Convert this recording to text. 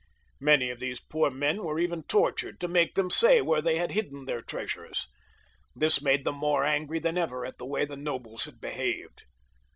Many of these poor men were even tortured to make them say where they had hidden their treasures. This made them more angry than ever at the way the nobles had behaved.